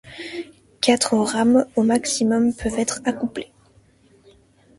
Quatre rames au maximum peuvent être accouplées.